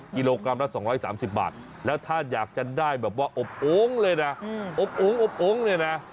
กิโลกรัมละ๒๓๐บาทแล้วถ้าอยากจะได้แบบว่าอบโอ๊งเลยนะอบโองอบโอ๊งเนี่ยนะ